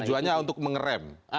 tujuannya untuk mengeram